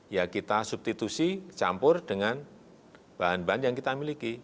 ya kita substitusi campur dengan bahan bahan yang kita miliki